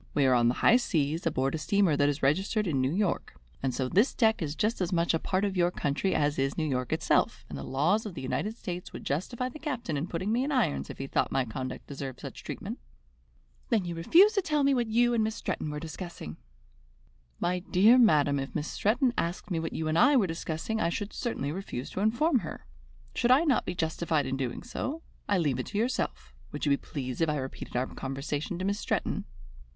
We are on the high seas, aboard a steamer that is registered in New York, and so this deck is just as much a part of your country as is New York itself, and the laws of the United States would justify the captain in putting me in irons if he thought my conduct deserved such treatment." "Then you refuse to tell me what you and Miss Stretton were discussing!" "My dear madam, if Miss Stretton asked me what you and I were discussing, I should certainly refuse to inform her. Should I not be justified in doing so? I leave it to yourself. Would you be pleased if I repeated our conversation to Miss Stretton?"